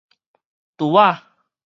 櫥子